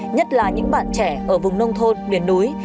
nhất là những bạn trẻ ở vùng nông thôn miền núi